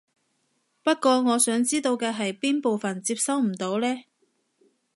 不過我想知道嘅係邊部分接收唔到呢？